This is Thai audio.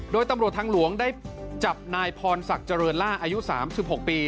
โดยตำรวจทางหลวงได้จับนายพรศักดิ์เจริญล่าอายุ๓๖ปี